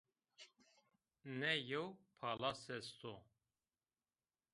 Ne yew palas est o